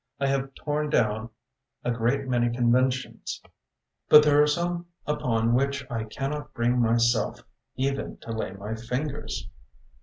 I have torn down a great many conventions, but there are some upon which I cannot bring myself even to lay my fingers."